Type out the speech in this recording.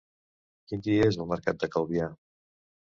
Quin dia és el mercat de Calvià?